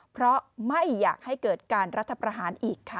เพราะไม่อยากให้เกิดการรัฐประหารอีกค่ะ